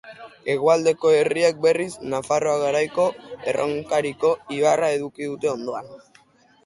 Hegoaldeko herriek, berriz, Nafarroa Garaiko Erronkariko ibarra eduki dute ondoan.